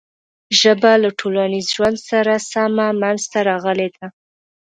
ژبه له ټولنیز ژوند سره سمه منځ ته راغلې ده.